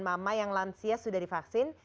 mama yang lansia sudah divaksin